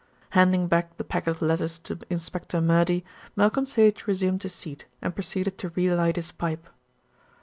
Handing back the packet of letters to Inspector Murdy, Malcolm Sage resumed his seat, and proceeded to re light his pipe.